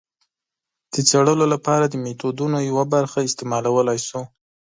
د څېړلو لپاره د میتودونو یوه برخه استعمالولای شو.